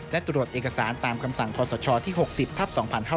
และตรวจเอกสารตามคำสั่งขอสชที่๖๐ทับ๒๕๕๙